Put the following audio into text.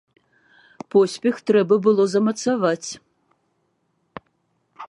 Поспех трэба было замацаваць.